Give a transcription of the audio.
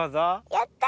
やった！